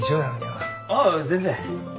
ああ全然。